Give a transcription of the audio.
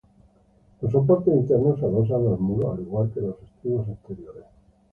Los soportes internos se adosan al muro, al igual que los estribos exteriores.